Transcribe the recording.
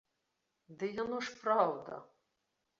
Ды яно ж праўда!